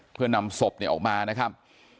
เพื่อนำศพออกมานะครับ